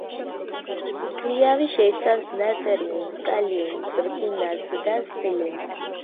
ქლიავი შეიცავს ნატრიუმს, კალიუმს, რკინას და სპილენძს.